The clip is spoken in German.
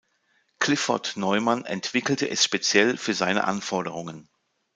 Clifford Neuman entwickelte es speziell für seine Anforderungen.